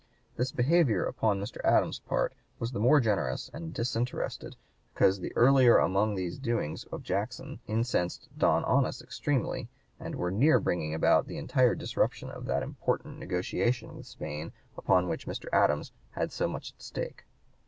This behavior upon Mr. Adams's part was the more generous and disinterested because the earlier among these doings of Jackson incensed Don Onis extremely and were near bringing about the entire disruption of that important negotiation with Spain upon which Mr. Adams had so much at stake.